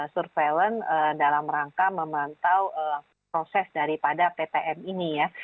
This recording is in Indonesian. surveillance dalam rangka memantau proses daripada ptm ini ya